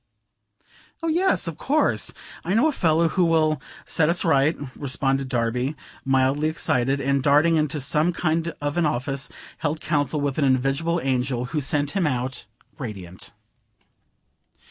"Oh, yes, of course. I know a fellow who will set us right," responded Darby, mildly excited, and darting into some kind of an office, held counsel with an invisible angel, who sent him out radiant.